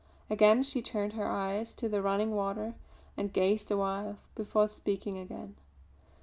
Again she turned her eyes to the running water and gazed awhile before speaking again.